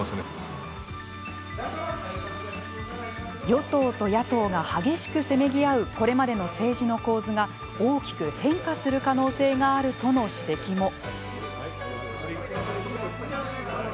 与党と野党が激しくせめぎ合うこれまでの政治の構図が、大きく変化する可能性があるとの指摘も。